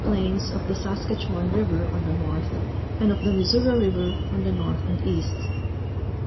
plains of the Saskatchewan River on the north, and of the Missouri River on the north and east.